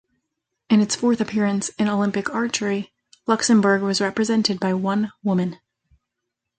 In its fourth appearance in Olympic archery, Luxembourg was represented by one woman.